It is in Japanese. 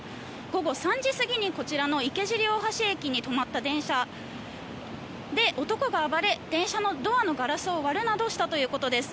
午後３時過ぎに、こちらの池尻大橋駅に止まった電車で男が暴れ電車のドアのガラスを割るなどしたということです。